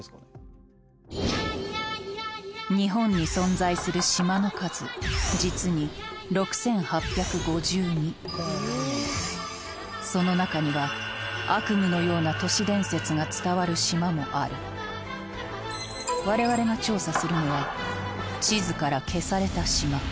日本に存在する島の数実に６８５２その中には悪夢のような都市伝説が伝わる島もある我々が調査するのはほぉ。